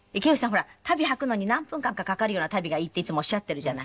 ほら足袋はくのに何分間かかかるような足袋がいいっていつもおっしゃってるじゃない。